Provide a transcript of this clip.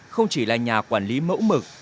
không chỉ là nhà quản lý mẫu mực